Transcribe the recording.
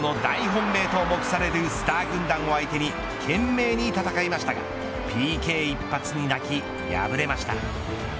本命のスター軍団を相手に懸命に戦いましたがＰＫ一発に泣き、敗れました。